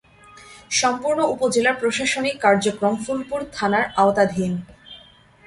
সম্পূর্ণ উপজেলার প্রশাসনিক কার্যক্রম ফুলপুর থানার আওতাধীন।